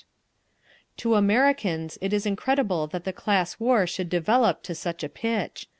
To Americans it is incredible that the class war should develop to such a pitch.